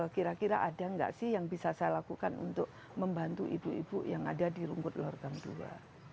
kira kira ada nggak sih yang bisa saya lakukan untuk membantu ibu ibu yang ada di rumput lortang dua